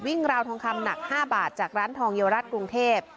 วิ่งราวทองคำหนักห้าบาทจากร้านทองเยียวรัฐกรุงเทพ